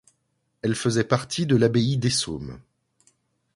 Elle faisait partie de l'abbaye d'Essômes.